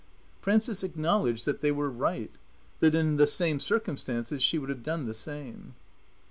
Frances acknowledged that they were right, that in the same circumstances she would have done the same.